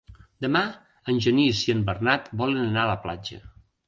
Demà en Genís i en Bernat volen anar a la platja.